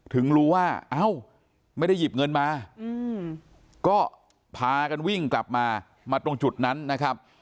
ถึงรู้ว่าเอ้าไม่ได้หยิบเงินมาก็พากันวิ่งกลับมามาตรงจุดนั้นนะครับ